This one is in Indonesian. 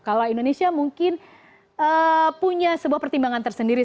kalau indonesia mungkin punya sebuah pertimbangan tersendiri